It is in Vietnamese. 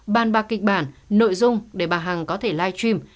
bàn bạc kịch bản nội dung để bà hằng có thể livestream